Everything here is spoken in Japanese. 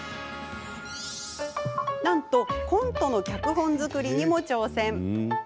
なんとコントの脚本作りにも挑戦。